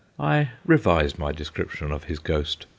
I revise my description of his ghost.